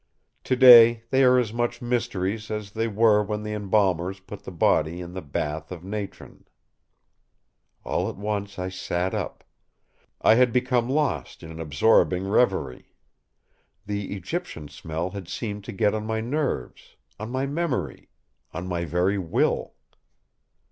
Today they are as much mysteries as they were when the embalmers put the body in the bath of natron.... All at once I sat up. I had become lost in an absorbing reverie. The Egyptian smell had seemed to get on my nerves—on my memory—on my very will.